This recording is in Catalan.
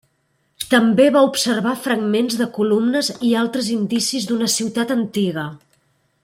També va observar fragments de columnes i altres indicis d'una ciutat antiga.